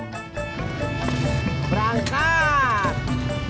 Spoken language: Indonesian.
kau tak punya nomor telepon dia